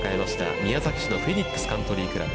宮崎のフェニックスカントリークラブ。